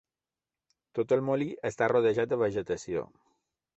Tot el molí està rodejat de vegetació.